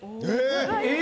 えっ？